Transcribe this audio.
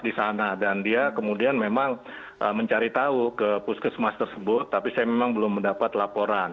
dan dia kemudian memang mencari tahu ke puskesmas tersebut tapi saya memang belum mendapat laporan